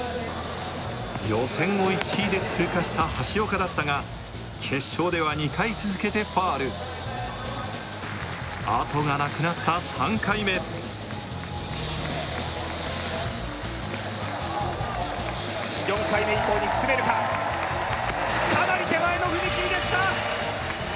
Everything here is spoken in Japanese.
予選を１位で通過した橋岡だったが決勝では２回続けてファウルあとがなくなった３回目４回目以降に進めるかかなり手前の踏み切りでした